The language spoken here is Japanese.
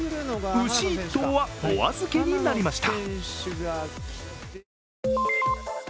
牛１頭はお預けになりました。